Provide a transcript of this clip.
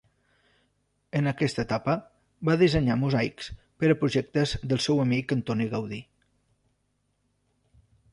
En aquesta etapa, va dissenyar mosaics per a projectes del seu amic Antoni Gaudí.